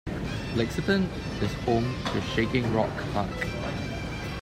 Lexington is home to Shaking Rock Park.